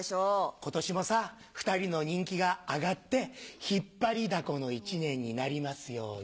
今年もさ２人の人気が上がって引っ張りダコの１年になりますように。